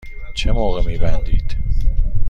چه موقع می بندید؟